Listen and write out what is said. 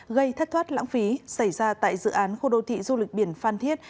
gây thất thoát lãng phí xảy ra tại dự án khu đô thị du lịch biển phan thiết